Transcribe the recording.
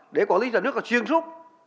để quản lý nhà nước còn xuyên suốt